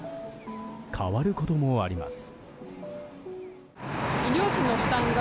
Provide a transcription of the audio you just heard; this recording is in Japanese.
変わることもあります。